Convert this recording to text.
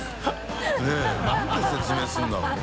佑何て説明するんだろうな？